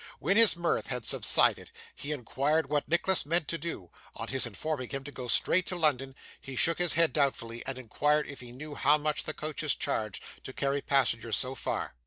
When his mirth had subsided, he inquired what Nicholas meant to do; on his informing him, to go straight to London, he shook his head doubtfully, and inquired if he knew how much the coaches charged to carry passengers so far.